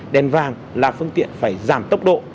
đèn vàng là phương tiện phải giảm tốc độ